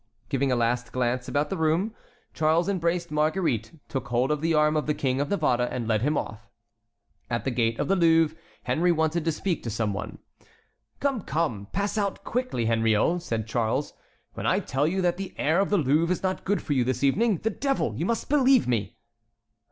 Giving a last glance about the room, Charles embraced Marguerite, took hold of the arm of the King of Navarre, and led him off. At the gate of the Louvre Henry wanted to speak to some one. "Come, come! pass out quickly, Henriot," said Charles. "When I tell you that the air of the Louvre is not good for you this evening, the devil! you must believe me!"